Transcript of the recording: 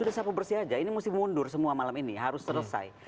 udah sapu bersih aja ini mesti mundur semua malam ini harus selesai